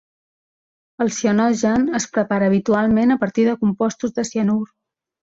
El cianogen es prepara habitualment a partir de compostos de cianur.